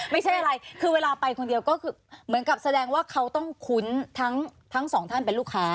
ไม่ใช่อะไรคือเวลาไปคนเดียวก็คือเหมือนกับแสดงว่าเขาต้องคุ้นทั้งสองท่านเป็นลูกค้า